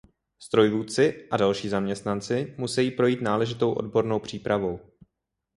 Strojvůdci a další zaměstnanci musejí projít náležitou odbornou přípravou.